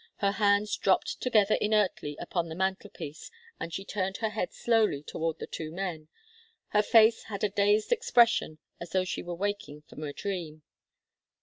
Her hands dropped together inertly upon the mantelpiece, and she turned her head slowly toward the two men. Her face had a dazed expression, as though she were waking from a dream.